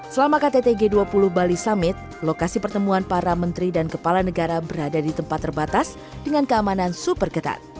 selama kttg dua puluh bali summit lokasi pertemuan para menteri dan kepala negara berada di tempat terbatas dengan keamanan super ketat